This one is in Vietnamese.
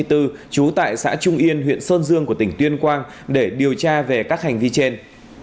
trú tại xã trung yên huyện sơn dương của tỉnh tuyên quang để điều tra về các hành vi trên